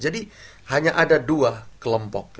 jadi hanya ada dua kelompok